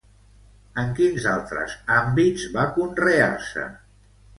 En quins altres àmbits va conrear-se?